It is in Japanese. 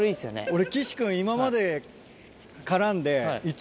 俺岸君今まで絡んで。